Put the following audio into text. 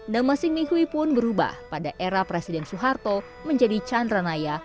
nama singi hui pun berubah pada era presiden soeharto menjadi chandranaya